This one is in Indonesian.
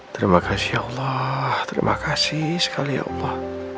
terima kasih allah terima kasih sekali ya allah